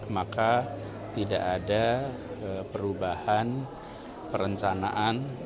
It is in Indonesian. maka tidak ada perubahan perencanaan